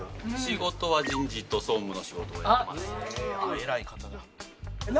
偉い方だ。